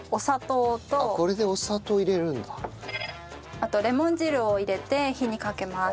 あとレモン汁を入れて火にかけます。